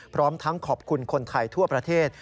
พร้อมทั้งขอบคุณคนไทยทั่วประเทศ